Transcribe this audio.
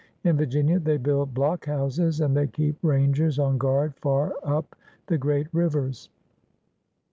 In Vir* ginia they build blockhouses and th^ keep rangers on guard far up the great rivers.